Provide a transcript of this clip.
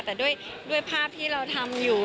แต่ด้วยภาพที่เราทำอยู่